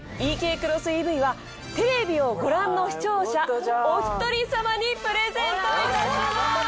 クロスＥＶはテレビをご覧の視聴者お一人さまにプレゼントいたします。